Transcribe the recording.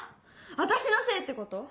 私のせいってこと？